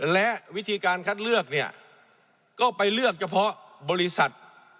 และวิธีการคัดเลือกเนี่ยก็ไปเลือกเฉพาะบริษัท